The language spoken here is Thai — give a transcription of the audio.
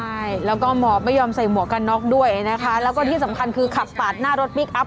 ใช่แล้วก็หมอบไม่ยอมใส่หมวกกันน็อกด้วยนะคะแล้วก็ที่สำคัญคือขับปาดหน้ารถพลิกอัพ